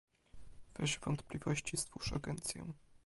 w razie wątpliwości stwórz agencję